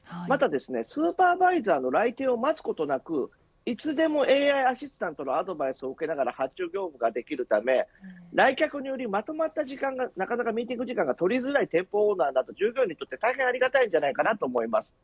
スーパーバイザーの来店を待つことなくいつでもアシスタントのアドバイスを受けながら発注業務ができるため来客により、まとまった時間でのミーティング時間が取りにくい店舗や従業員にとってはありがたいと思います。